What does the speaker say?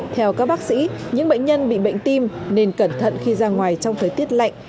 theo các bác sĩ những bệnh nhân bị bệnh tim nên cẩn thận khi ra ngoài trong thời tiết lạnh